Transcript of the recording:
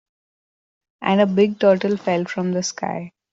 And a big turtle fell from the sky.